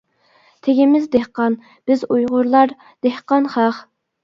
تېگىمىز دېھقان، بىز ئۇيغۇرلار دېھقان خەق.